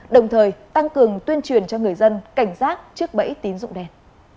đồng thời tăng cường tuyên truyền cho người dân cảnh giác trước bẫy tín dụng đen